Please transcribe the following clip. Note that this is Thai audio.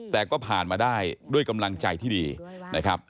แต่ก็ผ่านมาได้ด้วยกำลังใจที่ดีนะครับ